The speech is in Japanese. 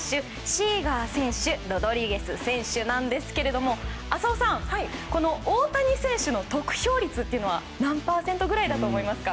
シーガー選手ロドリゲス選手なんですが浅尾さん、大谷選手の得票率何パーセントぐらいだと思いますか？